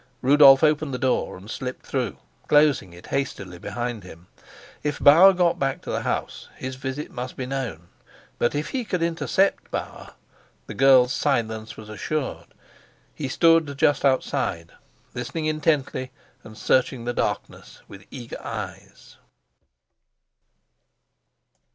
Rudolf opened the door and slipped through, closing it hastily behind him. If Bauer got back to the house, his visit must be known; but if he could intercept Bauer, the girl's silence was assured. He stood just outside, listening intently and searching the darkness with eager eyes.